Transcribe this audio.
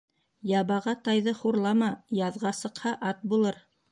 Ябаға тайҙы хурлама, яҙға сыҡһа, ат булыр.